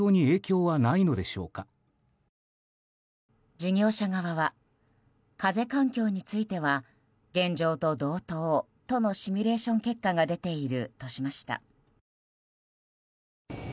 事業者側は風環境については現状と同等とのシミュレーション結果が出ているとしました。